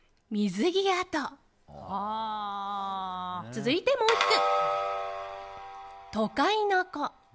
続いて、もう１句。